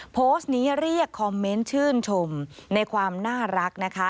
โพสต์นี้เรียกคอมเมนต์ชื่นชมในความน่ารักนะคะ